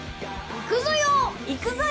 行くぞよ！